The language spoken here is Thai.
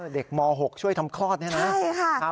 ม๖ช่วยทำคลอดนี่นะ